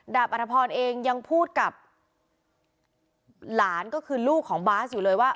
อัธพรเองยังพูดกับหลานก็คือลูกของบาสอยู่เลยว่า